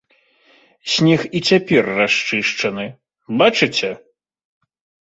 Снег і цяпер расчышчаны, бачыце?